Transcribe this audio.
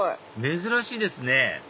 珍しいですね